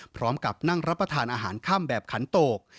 พร้อมกับนั่งรับประทานอาหารค่ำแบบขันโตก